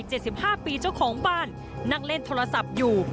ห้าปีเจ้าของบ้านนั่งเล่นโทรศัพท์อยู่